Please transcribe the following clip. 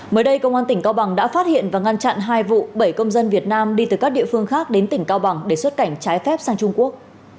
mới đây công an tỉnh cao bằng đã phát hiện và ngăn chặn hai vụ bảy công dân việt nam đi từ các địa phương khác đến tỉnh cao bằng để xuất cảnh trái phép sang trung quốc